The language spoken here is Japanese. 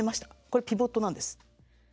これピボットなんです。